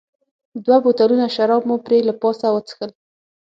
دوه بوتلونه شراب مو پرې له پاسه وڅښل.